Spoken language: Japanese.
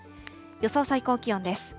予想最高気温です。